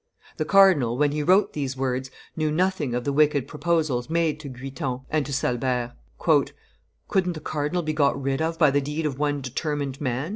The cardinal, when he wrote these words, knew nothing of the wicked proposals made to Guiton and to Salbert. "Couldn't the cardinal be got rid of by the deed of one determined man?"